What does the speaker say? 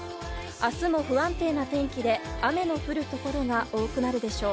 あすも不安定な天気で、雨の降る所が多くなるでしょう。